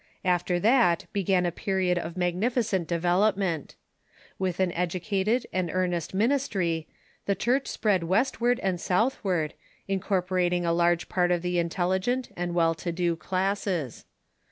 After that began a period of magnificent development. With an educated and earnest ministry, the Church spread westward and southward, incorporating a large part of the intelligent 524 THE CHURCH IN THE UNITED STATES and well to do classes.